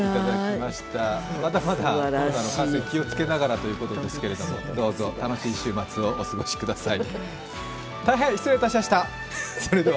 まだまだコロナの感染気をつけながらということですがどうぞ楽しい週末をお過ごしください。